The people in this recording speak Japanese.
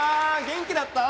元気だった？